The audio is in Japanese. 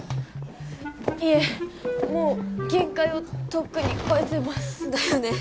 いえもう限界をとっくに超えてますだよね